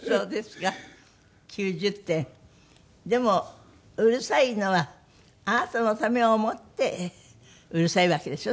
でもうるさいのはあなたのためを思ってうるさいわけでしょ？